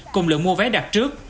cùng lượng mua vé đặt trước